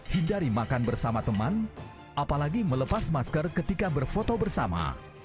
hindari makan bersama teman apalagi melepas masker ketika berfoto bersama